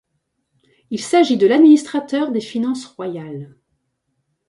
Il s'agit de l’administrateur des finances royales.